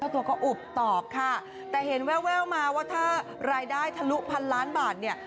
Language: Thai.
ตัวก็อุบตอบค่ะแต่เห็นแววมาว่าถ้ารายได้ทะลุพันล้านบาทเนี่ย